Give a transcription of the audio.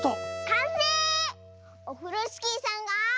オフロスキーさんが。